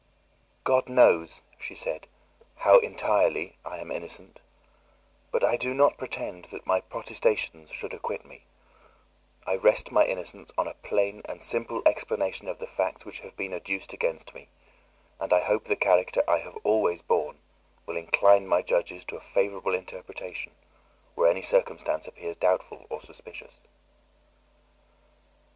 "God knows," she said, "how entirely I am innocent. But I do not pretend that my protestations should acquit me; I rest my innocence on a plain and simple explanation of the facts which have been adduced against me, and I hope the character I have always borne will incline my judges to a favourable interpretation where any circumstance appears doubtful or suspicious."